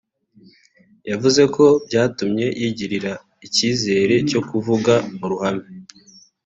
yavuze ko byatumye yigirira icyizere cyo kuvuga mu ruhame